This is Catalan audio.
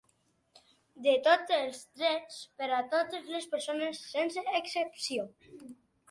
De tots els drets per a totes les persones, sense excepció.